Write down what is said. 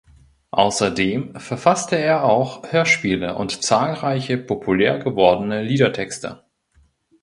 Außerdem verfasste er auch Hörspiele und zahlreiche populär gewordene Liedertexte.